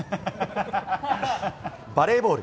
バレーボール。